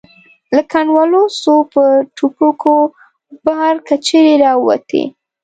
له کنډوالو څو په ټوپکو بار کچرې را ووتې.